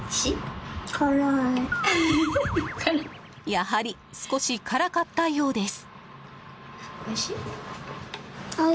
やはり、少し辛かったようです。